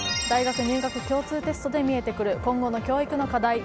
大学入学共通テストで見えてくる今後の教育の課題。